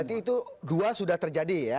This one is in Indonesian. berarti itu dua sudah terjadi ya